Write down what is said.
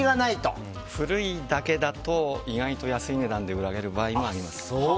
古いだけだと意外と安い値段で売られる場合もあります。